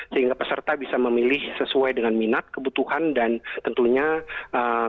sehingga peserta bisa memilih sesuai dengan minat kebutuhan dan tentunya kebutuhan